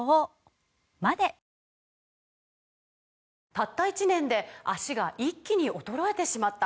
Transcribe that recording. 「たった１年で脚が一気に衰えてしまった」